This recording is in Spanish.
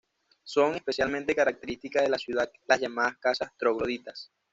Son especialmente características de la ciudad las llamadas "Casas Trogloditas".